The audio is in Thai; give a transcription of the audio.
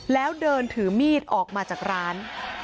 แล้วเดินถือมีดออกมาจากร้าน